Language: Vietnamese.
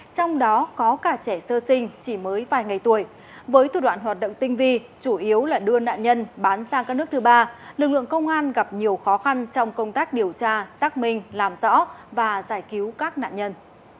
trong đó có cả trẻ sơ sinh chỉ mới vài ngày tuổi với thủ đoạn hoạt động tinh vi chủ yếu là đưa nạn nhân bán sang các nước thứ ba lực lượng công an gặp nhiều khó khăn trong công tác điều tra xác minh làm rõ và giải cứu các nạn nhân